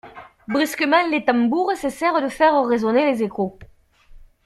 Brusquement les tambours cessèrent de faire résonner les échos.